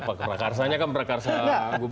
prakarsanya kan prakarsa gubernur